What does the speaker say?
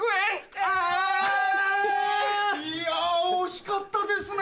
あ！いや惜しかったですね。